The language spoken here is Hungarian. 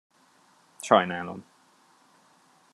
Sajnálom.